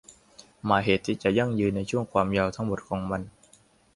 หมายเหตุที่จะยั่งยืนในช่วงความยาวทั้งหมดของมัน